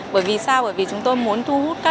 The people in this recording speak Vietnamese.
bởi vì sao bởi vì chúng tôi muốn thu hút các